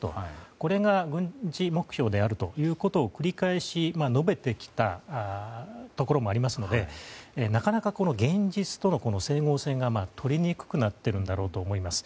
これが軍事目標であるということを繰り返し述べてきたところもありますのでなかなか、現実との整合性が取りにくくなってきているんだろうと思います。